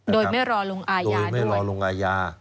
โดยไม่รอลงอายาด้วย